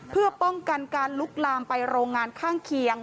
เพื่อป้องกันการลุกลามไปโรงงานข้างเคียง